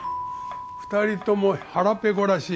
２人とも腹ペコらしい。